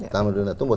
tanaman dunia tumbuh